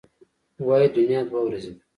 وايي دنیا دوه ورځې ده.